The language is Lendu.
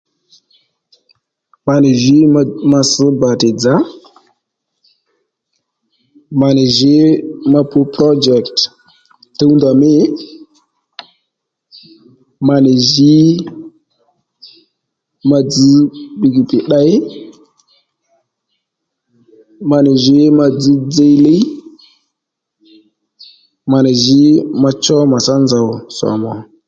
Ma nì jǐ masš bàtì dzà ma nì jǐ ma pǔ projet tǔndà mî ma nì jǐ ma dzž pikipiki tdey ma nì jǐ ma dzž dziylíy ma nì jǐ macho mà tsá nzòw sòmù ò